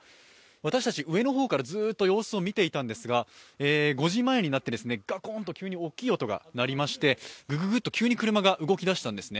私たち、上の方からずっと様子を見ていたんですが５時前になってガコンと急に大きい音が鳴りまして、グググッと急に車が動き出したんですね。